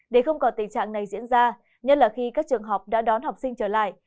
để không còn tình trạng này diễn ra nhất là khi các trường học đã đón học sinh trở lại